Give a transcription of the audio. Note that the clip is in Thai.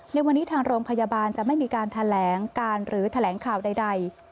ในวันนี้ทางโรงพยาบาลจะไม่มีการแถลงการหรือแถลงข่าวใด